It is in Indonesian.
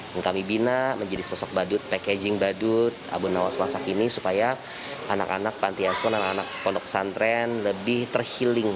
yang kami bina menjadi sosok badut packaging badut abu nawas masak ini supaya anak anak panti asuhan anak pondok pesantren lebih terhiling